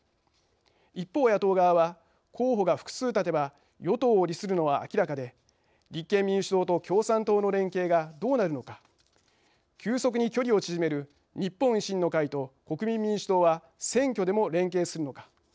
一方野党側は候補が複数立てば与党を利するのは明らかで立憲民主党と共産党の連携がどうなるのか急速に距離を縮める日本維新の会と国民民主党は選挙でも連携するのか。